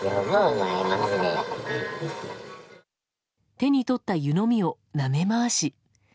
手に取った湯飲みをなめ回し